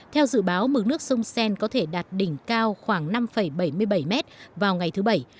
theo dự báo mực nước sông sen có thể đạt đỉnh cao khoảng năm bảy mươi bảy mét vào ngày thứ bảy